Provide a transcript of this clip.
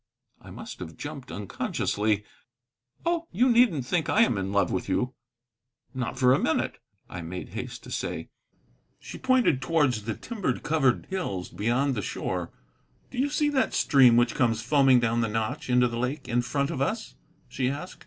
I must have jumped unconsciously. "Oh, you needn't think I am in love with you." "Not for a minute," I made haste to say. She pointed towards the timber covered hills beyond the shore. "Do you see that stream which comes foaming down the notch into the lake in front of us?" she asked.